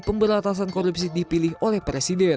pemberantasan korupsi dipilih oleh presiden